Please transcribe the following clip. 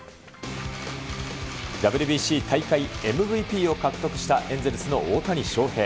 ＷＢＣ大会ＭＶＰを獲得したエンゼルスの大谷翔平。